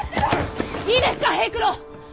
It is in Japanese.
いいですか平九郎。